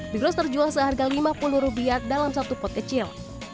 mikros terjual seharga lima puluh rupiah dalam satu pot kecil